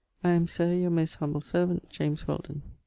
I am, Sir, your most humble servant, JAMES WHELDON.